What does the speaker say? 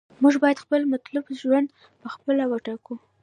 موږ باید خپل مطلوب ژوند په خپله وټاکو.